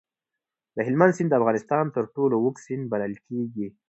د هلمند سیند د افغانستان تر ټولو اوږد سیند بلل کېږي.